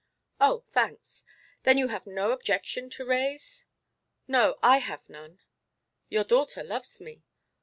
"Oh thanks. Then you have no objection to raise?" "No; I have none." "Your daughter loves me."